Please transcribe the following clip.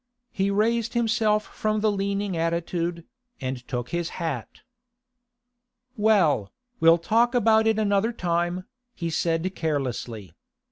He raised himself from the leaning attitude, and took his hat. 'Well, we'll talk about it another time,' he said carelessly.